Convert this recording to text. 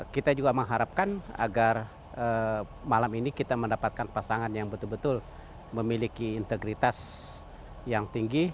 kita juga mengharapkan agar malam ini kita mendapatkan pasangan yang betul betul memiliki integritas yang tinggi